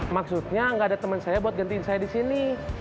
maksudnya gak ada temen saya buat gantiin saya disini